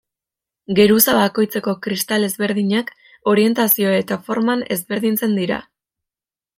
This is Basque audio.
Geruza bakoitzeko kristal ezberdinak, orientazio eta forman ezberdintzen dira.